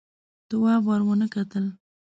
تواب ور ونه کتل.